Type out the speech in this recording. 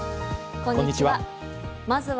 こんにちは。